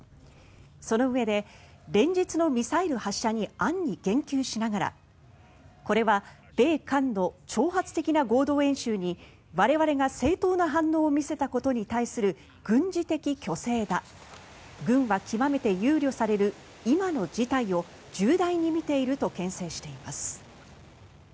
そのうえで連日のミサイル発射に暗に言及しながらこれは米韓の挑発的な合同演習に我々が正当な反応を見せたことに対する軍事的虚勢だ軍は極めて憂慮される今の事態を重大に見ているとけん制しています。